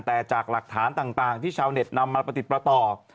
แต่จากหลักฐานต่างที่ชาวเน็ตนำมาประติดประต่อ